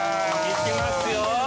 行きますよ。